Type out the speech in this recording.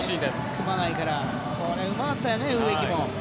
熊谷からこれ、うまかったよね、植木も。